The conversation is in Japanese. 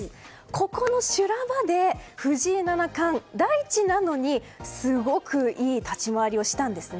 ここの修羅場で藤井七冠大地なのにすごくいい立ち回りをしたんです。